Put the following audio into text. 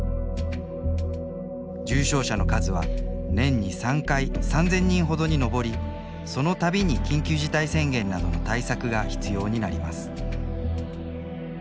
重症者の数は年に３回３，０００人ほどに上りそのたびに緊急事態宣言などの対策が必要になります。